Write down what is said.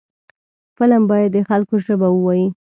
فلم باید د خلکو ژبه ووايي